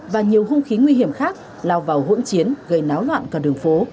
và nhiều hung khí nguy hiểm khác lao vào hỗn chiến gây náo loạn cả đường phố